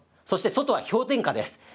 そして外は氷点下です。